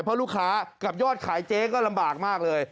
เพราะลูกค้ากับยอดขายเจ๊ก็ลำบากมากเลย